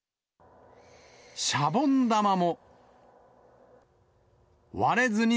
シャボン玉も。